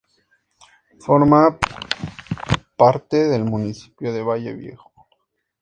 Forma parte del municipio de Valle Viejo.